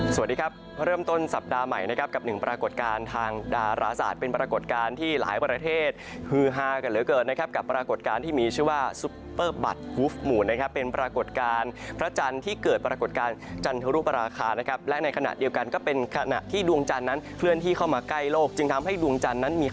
สวัสดีครับเริ่มต้นสัปดาห์ใหม่นะครับกับหนึ่งปรากฏการณ์ทางดาราศาสตร์เป็นปรากฏการณ์ที่หลายประเทศฮือฮากันเหลือเกิดนะครับกับปรากฏการณ์ที่มีชื่อว่าซุปเปอร์บัตรวูฟมูลนะครับเป็นปรากฏการณ์พระจันทร์ที่เกิดปรากฏการณ์จันทรุปราคานะครับและในขณะเดียวกันก็เป็นขณะที่ดวงจ